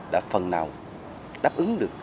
đã phần nào đáp ứng được